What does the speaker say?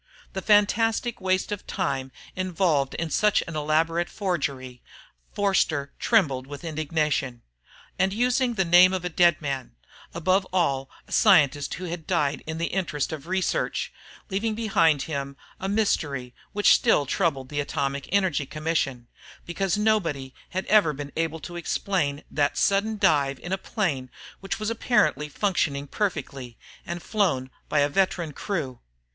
The fantastic waste of time involved in such an elaborate forgery ... Forster trembled with indignation. And using the name of a dead man, above all a scientist who had died in the interests of research, leaving behind him a mystery which still troubled the Atomic Energy Commission, because nobody had ever been able to explain that sudden dive in a plane which was apparently functioning perfectly, and flown by a veteran crew....